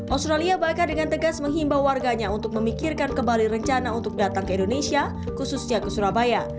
australia bahkan dengan tegas menghimbau warganya untuk memikirkan kembali rencana untuk datang ke indonesia khususnya ke surabaya